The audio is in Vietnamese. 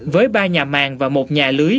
với ba nhà màng và một nhà lưới